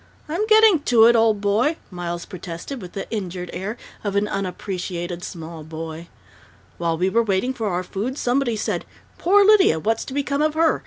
"I'm getting to it, old boy," Miles protested, with the injured air of an unappreciated small boy. "While we were waiting for our food, somebody said, 'Poor Lydia! What's going to become of her?'